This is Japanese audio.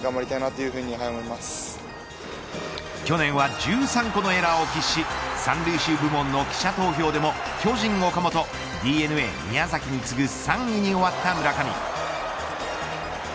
去年は１３個のエラーを喫し三塁手部門の記者投票でも巨人岡本、ＤｅＮＡ宮崎に次ぐ３位に終わった村上。